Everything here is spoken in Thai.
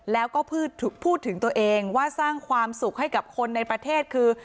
แล้วก็พูดถึงตัวเองว่าสร้างความสุขให้กับคนในประเทศคือ